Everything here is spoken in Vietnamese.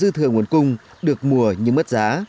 dư thừa nguồn cung được mùa nhưng mất giá